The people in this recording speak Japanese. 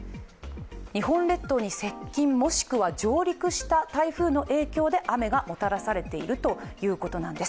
日本列島に接近、もしくは上陸した台風の影響で雨がもたらされているということなんです。